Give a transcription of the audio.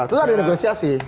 tentu ada negosiasi